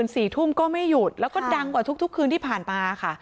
จนใดเจ้าของร้านเบียร์ยิงใส่หลายนัดเลยค่ะ